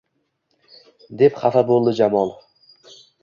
deb xafa bo`ldi Jamol